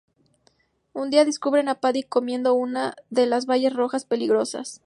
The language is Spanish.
Un día, descubren a Paddy comiendo una de las bayas rojas peligrosas.